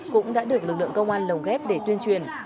cũng đã được lực lượng công an lồng ghép để tuyên truyền